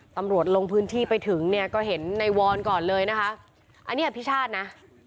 ตำรวจลงพื้นที่ไปถึงเนี่ยก็เห็นในวรก่อนเลยนะคะอันนี้อภิชาตินะ